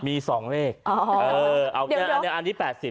อ๋อมีสองเลขอันนี้๘๐บาท